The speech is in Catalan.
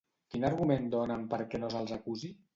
Quin argument donen perquè no se'ls acusi?